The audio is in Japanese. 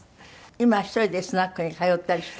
今は１人でスナックに通ったりして。